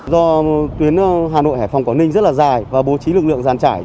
do tuyến hà nội hẻ phòng quảng ninh rất là dài và bố trí lực lượng dàn trải